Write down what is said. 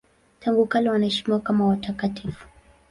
Tangu kale wanaheshimiwa kama watakatifu.